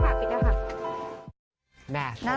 ไปโรงพยาบาลวชิระนะคะ